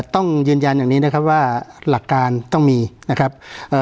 ต้องยืนยันอย่างนี้นะครับว่าหลักการต้องมีนะครับเอ่อ